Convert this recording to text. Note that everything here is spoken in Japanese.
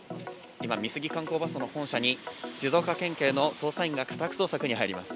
今、美杉観光バスの本社に、静岡県警の捜査員が家宅捜索に入ります。